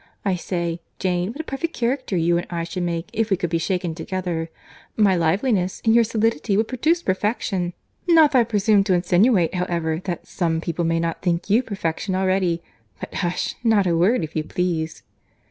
I say, Jane, what a perfect character you and I should make, if we could be shaken together. My liveliness and your solidity would produce perfection.—Not that I presume to insinuate, however, that some people may not think you perfection already.—But hush!—not a word, if you please."